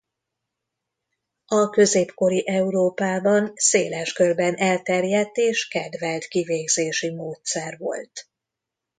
A középkori Európában széles körben elterjedt és kedvelt kivégzési módszer volt.